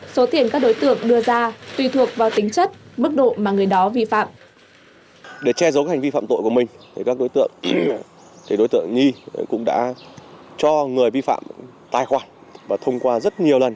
số tiền các đối tượng đưa ra tùy thuộc vào tính chất mức độ mà người đó vi phạm